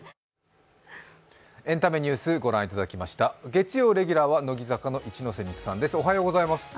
月曜レギュラーは乃木坂の一ノ瀬美空さんです。